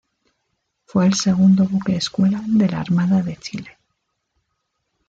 Fue el segundo Buque escuela de la Armada de Chile.